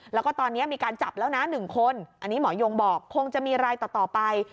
แล้วก็ตอนนี้มีการจับแล้วนะ๑คนอันนี้หมอยงบอกคงจะมีรายต่อไป